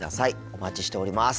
お待ちしております。